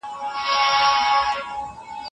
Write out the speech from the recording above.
هغه د انګریزانو په وړاندې ودرید.